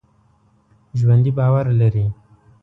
ژوندي باور لري